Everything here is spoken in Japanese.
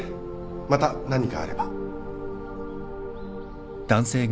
また何かあれば。